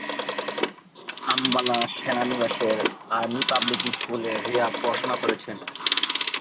আম্বালা সেনানিবাসের 'army public স্কুলে' রিয়া পড়াশোনা করেছেন।